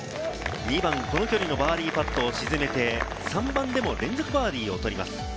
２番、この距離のバーディーパットを沈めて、３番でも連続バーディーを取ります。